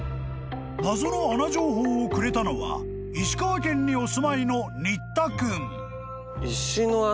［謎の穴情報をくれたのは石川県にお住まいの］